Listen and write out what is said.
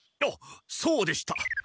あっそうでした！